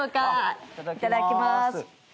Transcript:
いただきます。